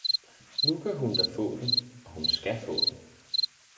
Nu kan hun da få den og hun skal få den